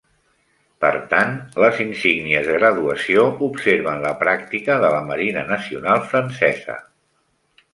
Per tant, les insígnies de graduació observen la pràctica de la Marina Nacional francesa.